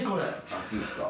熱いですか？